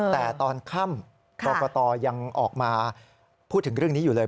แต่ตอนค่ำกรกตยังออกมาพูดถึงเรื่องนี้อยู่เลย